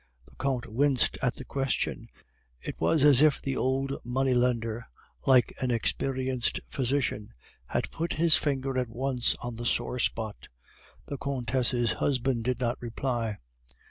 "The Count winced at the question; it was as if the old money lender, like an experienced physician, had put his finger at once on the sore spot. The Comtesse's husband did not reply.